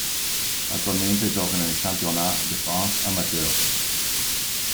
Attualmente gioca nel Championnat de France amateur.